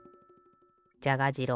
じゃが次郎